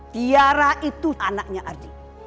tiara itu anaknya ardi